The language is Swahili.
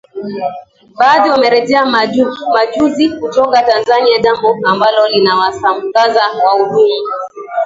na baadhi wamerejea majuzi kutoka Tanzania jambo ambalo linawashangaza wahudumu